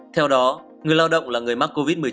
theo đó người lao động là người mắc covid một mươi chín